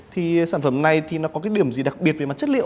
thì sản phẩm này thì nó có cái điểm gì đặc biệt về mặt chất liệu